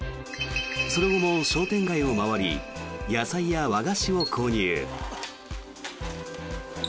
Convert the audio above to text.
その後も商店街を回り野菜や和菓子を購入。